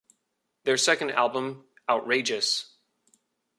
Their second album Outrageous!